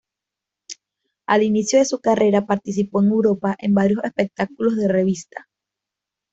Al inicio de su carrera participó en Europa en varios espectáculos de revista.